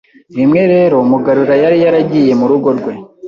Rimwe rero Mugarura yari yaragiye mu rugo rwe